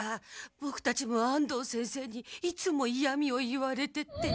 ボクたちも安藤先生にいつもいやみを言われてて。